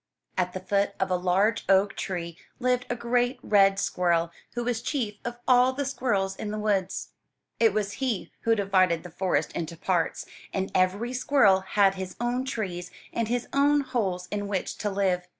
At the foot of a large oak tree lived a great red squirrel, who was chief of all the squirrels in the woods. It was he who divided the forest into parts, and every squirrel had his own trees and his own holes in which to live.